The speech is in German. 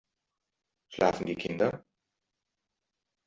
Schlafen die Kinder?